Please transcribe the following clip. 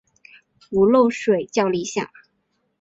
不漏水较理想。